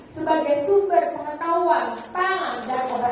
sebagai sumber pengetahuan pangang dan obat obatan